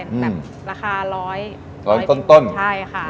แบบราคาร้อยต้นใช่ค่ะ